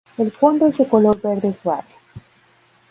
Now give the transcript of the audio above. El fondo es de color verde suave.